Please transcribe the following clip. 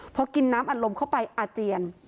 พอกินน้ำอัดลมเข้าไปอาเจียน